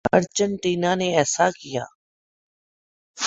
Argentina نے ایسا کیا۔